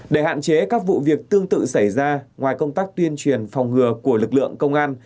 để hạn chế các vụ việc tương tự xảy ra ngoài công tác tuyên truyền phòng ngừa của lực lượng công an